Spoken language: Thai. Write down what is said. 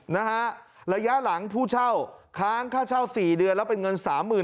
นะฮะระยะหลังผู้เช่าค้างค่าเช่า๔เดือนแล้วเป็นเงินสามหมื่น